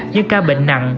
như ca bệnh nặng